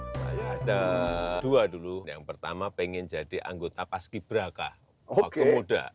saya ada dua dulu yang pertama pengen jadi anggota paski braka waktu muda